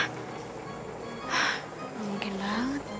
hah mungkin banget